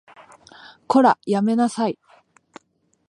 こら、やめなさい